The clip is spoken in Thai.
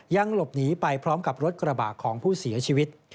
ยังหลบหนีไปพร้อมกับรถกระบะของผู้เสียชีวิต